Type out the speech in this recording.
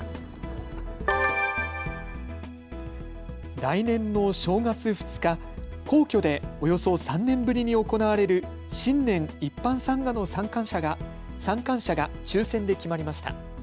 来年の正月２日、皇居でおよそ３年ぶりに行われる新年一般参賀の参観者が抽せんで決まりました。